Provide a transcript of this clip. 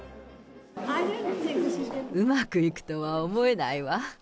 うまくいくとは思えないわ。